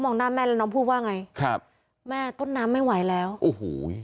หน้าแม่แล้วน้องพูดว่าไงครับแม่ต้นน้ำไม่ไหวแล้วโอ้โห